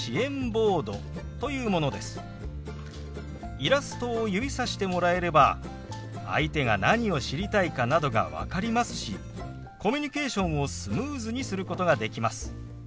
イラストを指さしてもらえれば相手が何を知りたいかなどが分かりますしコミュニケーションをスムーズにすることができます。